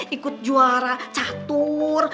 ikut juara catur